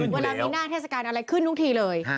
เวลามีหน้าเทศกาลอะไรขึ้นทุกทีเลย